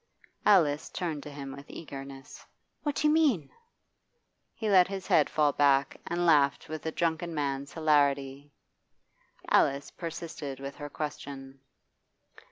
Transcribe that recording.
Alice turned to him with eagerness. 'What do you mean?' He let his head fall back, and laughed with a drunken man's hilarity. Alice persisted with her question.